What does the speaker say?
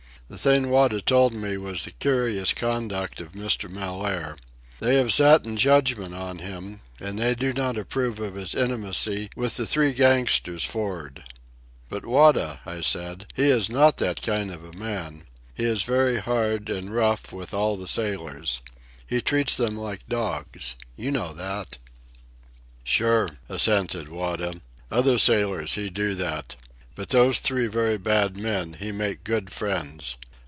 The thing Wada told me was the curious conduct of Mr. Mellaire. They have sat in judgment on him and they do not approve of his intimacy with the three gangsters for'ard. "But, Wada," I said, "he is not that kind of a man. He is very hard and rough with all the sailors. He treats them like dogs. You know that." "Sure," assented Wada. "Other sailors he do that. But those three very bad men he make good friends.